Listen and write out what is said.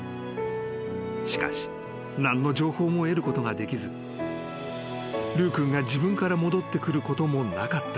［しかし何の情報も得ることができずルー君が自分から戻ってくることもなかった］